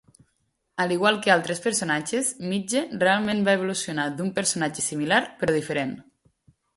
A l'igual que altres personatges, Midge realment va evolucionar d'un personatge similar però diferent.